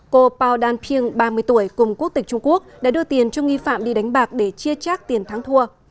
cô pao dan ping ba mươi tuổi cùng quốc tịch trung quốc đã đưa tiền cho nghi phạm đi đánh bạc để chia trác tiền thắng thua